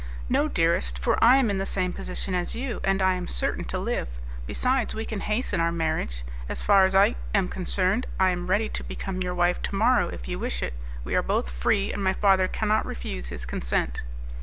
"No, dearest, for I am in the same position as you, and I am certain to live. Besides, we can hasten our marriage. As far as I am concerned, I am ready to become your wife to morrow if you wish it. We are both free, and my father cannot refuse his consent."